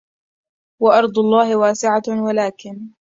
وَأَرضُ اللَهِ واسِعَةٌ وَلَكِن